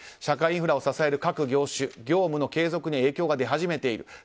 社会インフラを支える各業種業務の継続に影響が出始めている。